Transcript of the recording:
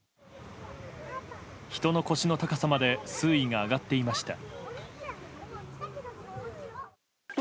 人の腰の高さまで水位が上がっていました。